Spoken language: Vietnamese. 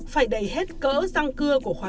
phải đẩy hết cỡ răng cưa của khóa